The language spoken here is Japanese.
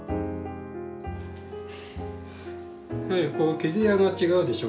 毛艶が違うでしょ？